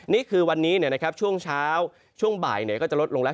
นี่คือวันนี้ช่วงเช้าช่วงบ่ายก็จะลดลงแล้ว